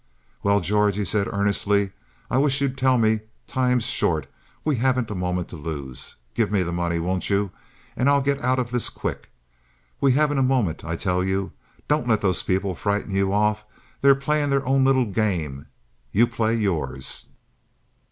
"Well, George," he said earnestly, "I wish you'd tell me. Time's short. We haven't a moment to lose. Give me the money, won't you, and I'll get out of this quick. We haven't a moment, I tell you. Don't let those people frighten you off. They're playing their own little game; you play yours."